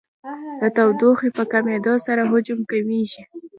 د تودوخې په کمېدو سره حجم کمیږي.